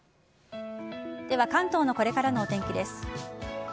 では関東のこれからのお天気です。